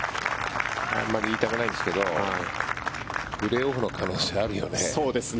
あまり言いたくないんですけどプレーオフの可能性あるよね？